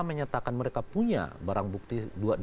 menyatakan mereka punya barang bukti